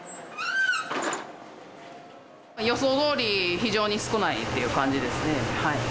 予想どおり、非常に少ないっていう感じですね。